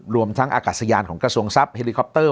รวมทั้งอากาศยานของกระทรวงทรัพย์เฮลิคอปเตอร์